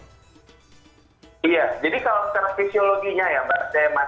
iya jadi kalau secara fisiologinya ya mbak demat